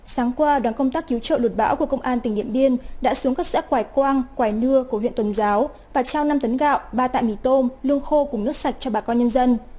sáng qua đoàn công tác cứu trợ lụt bão của công an tỉnh điện biên đã xuống các xã quài quang quầy nưa của huyện tuần giáo và trao năm tấn gạo ba tạ mì tôm lương khô cùng nước sạch cho bà con nhân dân